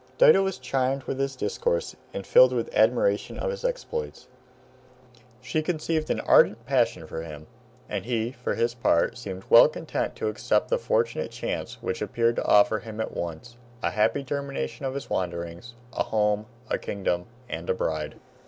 Dido was charmed with his discourse and filled with admiration of his exploits. She conceived an ardent passion for him, and he for his part seemed well content to accept the fortunate chance which appeared to offer him at once a happy termination of his wanderings, a home, a kingdom, and a bride.